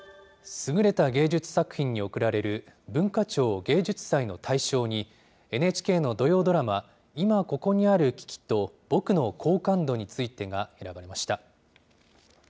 優れた芸術作品に贈られる、文化庁芸術祭の大賞に、ＮＨＫの土曜ドラマ、今ここにある危機とぼくの好感度についてが選ばれました。